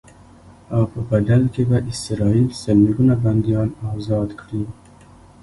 او په بدل کې به اسرائیل سلګونه بنديان ازاد کړي.